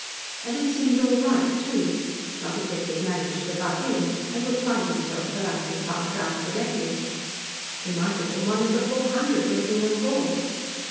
And it seemed all right, too not as if he had managed to "butt in," and would find himself politely fired out directly. He might have been one of the Four Hundred making a call.